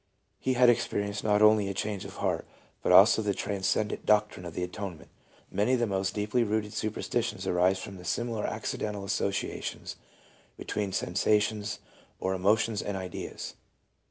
He had experienced not only a change of heart, but also the transcendent doctrine of the atonement! Many of the most deeply rooted superstitions arise from similar accidental associations between sensations or emotions and ideas.